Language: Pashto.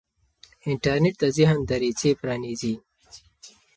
انټرنیټ د ذهن دریڅې پرانیزي.